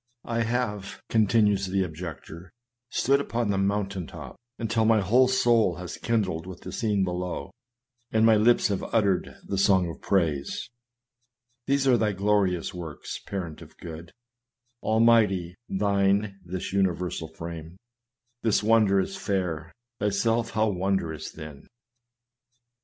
I have (continues the objector,) stood upon the mountain top, until my whole soul has kindled with the scene below, and my lips have uttered the song of praise : THE CARNAL MIND ENMITY AGAINST GOD. 241 "' These are thy glorious works, parent of good, Almighty, thine this universal frame, Thus wondrous fair : thyself how wondrous then